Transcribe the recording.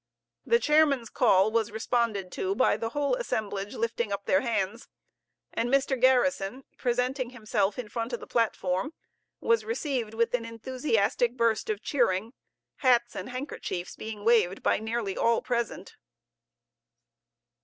The Chairman's call was responded to by the whole assemblage lifting up their hands; and Mr. Garrison, presenting himself in front of the platform, was received with an enthusiastic burst of cheering, hats and handkerchiefs being waved by nearly all present.